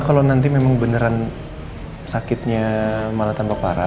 mama kalo nanti beneran sakitnya malah tampak parah